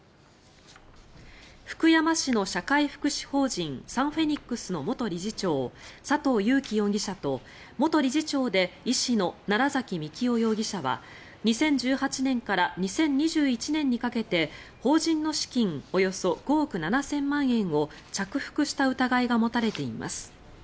福山市の社会福祉法人サンフェニックスの元理事長佐藤裕紀容疑者と元理事長で医師の楢崎幹雄容疑者は２０１８年から２０２１年にかけて法人の資金およそ５億７０００万円を着服した疑いが持たれています。